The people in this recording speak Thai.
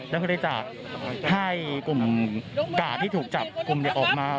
แล้วก็ได้จากให้กลุ่มกาดที่ถูกจับกลุ่มออกมา